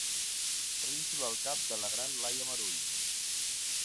Rínxol al cap de la gran Laia Marull.